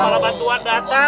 malah bantuan datang